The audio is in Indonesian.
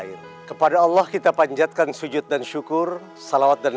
ikhlaskan keberenggian ayah